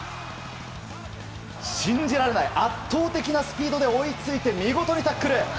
信じられない圧倒的なスピードで追いついて、見事にタックル！